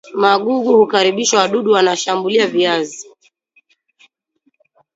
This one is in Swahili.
magugu hukaribisha wadudu wanashambulia viazi